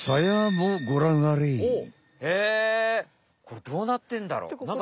これどうなってんだろう？